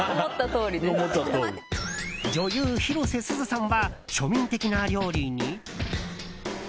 女優・広瀬すずさんは庶民的な料理に。